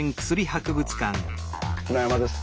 船山です。